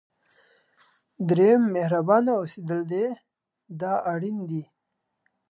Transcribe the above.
دریم مهربانه اوسېدل دی دا اړین دي.